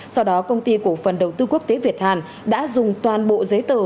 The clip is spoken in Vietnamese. sau đó công ty cổ phần đầu tư quốc tế việt hàn đã dùng toàn bộ giấy tờ